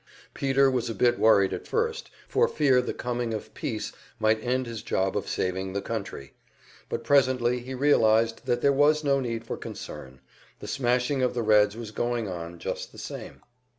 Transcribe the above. Peter was a bit worried at first, for fear the coming of peace might end his job of saving the country; but presently he realized that there was no need for concern, the smashing of the Reds was going on just the same.